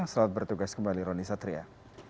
selamat bertugas kembali roni satria